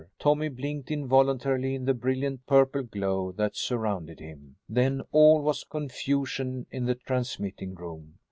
Tommy blinked involuntarily in the brilliant purple glow that surrounded him. Then all was confusion in the transmitting room.